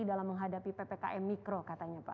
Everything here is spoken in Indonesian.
dalam menghadapi ppkm mikro katanya pak